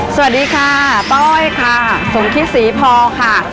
สวัสดีค่ะป้อยค่ะสมคิดศรีพอค่ะ